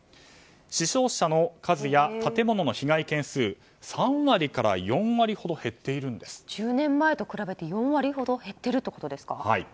死傷者の数や、建物の被害件数は３割から４割ほど１０年前と比べて４割ほど減っているということですか。